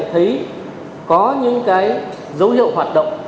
thấy có những cái dấu hiệu hoạt động